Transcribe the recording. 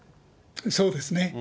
そうですね。